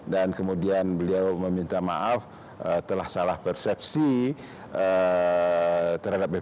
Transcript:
dan kemudian beliau meminta maaf telah salah persepsi terhadap ppk